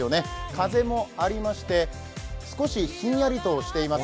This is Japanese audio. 風もありまして少しひんやりとしています。